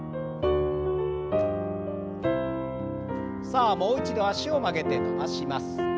さあもう一度脚を曲げて伸ばします。